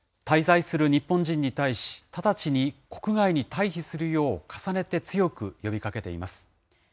滞在する日本人に対し、直ちに国外に退避するよう重ねて強く呼びかけています。